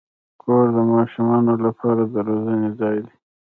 کور د ماشومانو لپاره د روزنې ځای دی.